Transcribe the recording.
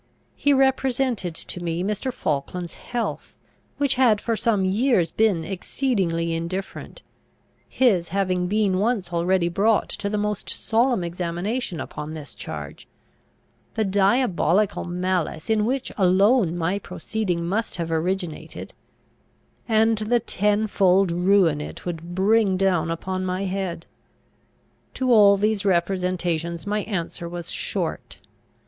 He represented to me Mr. Falkland's health, which had for some years been exceedingly indifferent; his having been once already brought to the most solemn examination upon this charge; the diabolical malice in which alone my proceeding must have originated; and the ten fold ruin it would bring down upon my head. To all these representations my answer was short.